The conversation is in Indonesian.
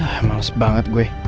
hah males banget gue